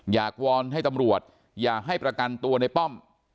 วอนให้ตำรวจอย่าให้ประกันตัวในป้อม